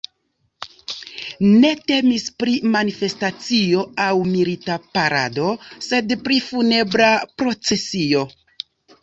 Ne temis pri manifestacio aŭ milita parado, sed pri funebra procesio.